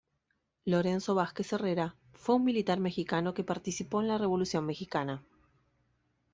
Lorenzo Vázquez Herrera fue un militar mexicano que participó en la Revolución mexicana.